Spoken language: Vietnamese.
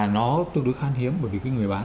nó tương đối khan hiếm bởi vì cái người bán